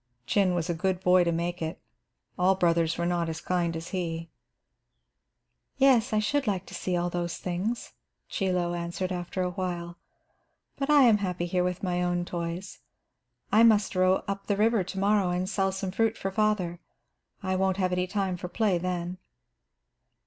Chin was a good boy to make it. All brothers were not as kind as he. "Yes, I should like to see all those things," Chie Lo answered, after awhile. "But I am happy here with my own toys. I must row up the river to morrow and sell some fruit for father. I won't have any time for play then."